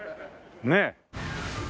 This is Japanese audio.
ねえ。